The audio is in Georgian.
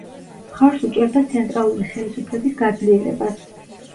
მხარს უჭერდა ცენტრალური ხელისუფლების გაძლიერებას.